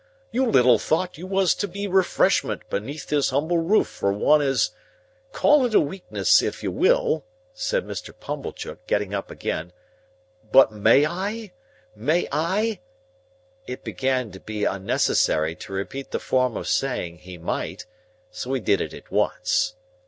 You little thought you was to be refreshment beneath this humble roof for one as—Call it a weakness, if you will," said Mr. Pumblechook, getting up again, "but may I? may I—?" It began to be unnecessary to repeat the form of saying he might, so he did it at once.